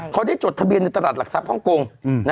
เขาได้จดทะเบียนในตลาดหลักทรัพฮ่องกง